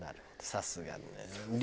さすがだね。